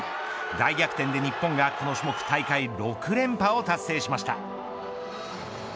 大逆転で日本がこの種目、大会６連覇を達成しました。